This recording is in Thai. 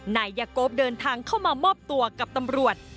นายยกเดินทางเข้ามามอบตัวกับตำรวจ